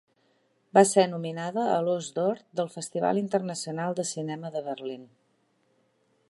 Va ser nominada a l'Ós d'Or del Festival Internacional de Cinema de Berlín.